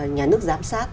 nhà nước giám sát